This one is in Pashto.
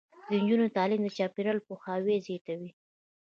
د نجونو تعلیم د چاپیریال پوهاوی زیاتوي.